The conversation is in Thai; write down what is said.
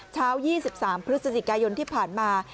๒๓พฤศจิกายนที่ผ่านมา